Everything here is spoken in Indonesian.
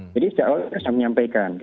jadi sejak awal saya menyampaikan